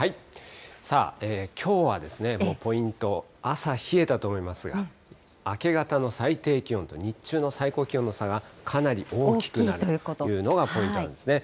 さあ、きょうはポイント、朝冷えたと思いますが、明け方の最低気温と日中の最高気温の差がかなり大きくなるというのがポイントなんですね。